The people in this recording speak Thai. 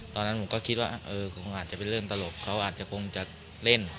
ตอนนั้นผมก็คิดว่าเออคงอาจจะเป็นเรื่องตลกเขาอาจจะคงจะเล่น